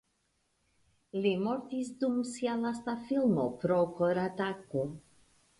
Li mortis dum sia lasta filmo pro koratako.